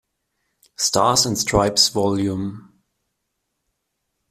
Stars and Stripes Vol.